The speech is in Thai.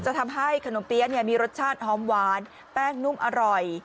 ทำให้ขนมเปี๊ยะมีรสชาติหอมหวานแป้งนุ่มอร่อย